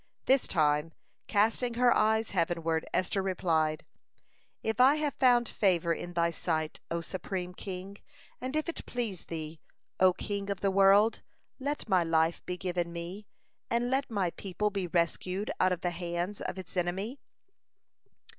This time, casting her eyes heavenward, Esther replied: "If I have found favor in thy sight, O Supreme King, and if it please Thee, O King of the world, let my life be given me, and let my people be rescued out of the hands of its enemy."